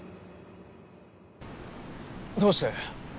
どうして？